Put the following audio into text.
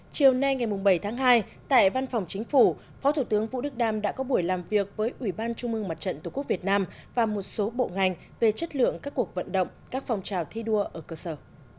chiều nay ngày bảy tháng hai tại văn phòng chính phủ phó thủ tướng vũ đức đam đã có buổi làm việc với ủy ban trung mương mặt trận tổ quốc việt nam và một số bộ ngành về chất lượng các cuộc vận động các phong trào thi đua ở cơ sở